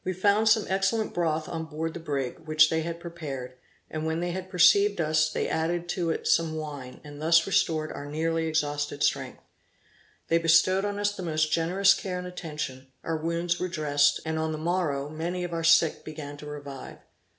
We found some excellent broth on board the brig, which they had prepared, and when they had perceived us they added to it some wine, and thus restored our nearly exhausted strength. They bestowed on us the most generous care and attention; our wounds were dressed, and on the morrow many of our sick began to revive.